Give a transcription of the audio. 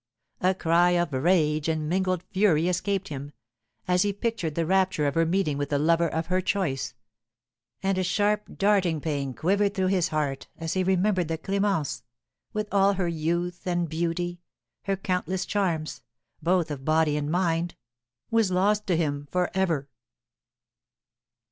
A cry of rage and mingled fury escaped him, as he pictured the rapture of her meeting with the lover of her choice; and a sharp, darting pain quivered through his heart as he remembered that Clémence, with all her youth and beauty, her countless charms, both of body and mind, was lost to him for ever.